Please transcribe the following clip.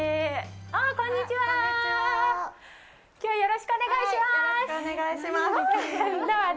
よろしくお願いします。